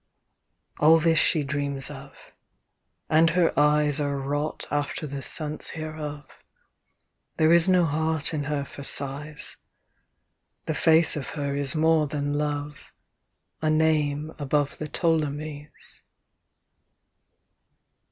XV All this she dreams of, and her eyes Are wrought after the sense hereof. There is no heart in her for sighs; The face of her is more than love A name above the Ptolemies.